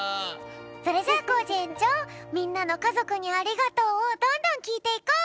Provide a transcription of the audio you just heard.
それじゃコージえんちょうみんなの「かぞくにありがとう」をどんどんきいていこう！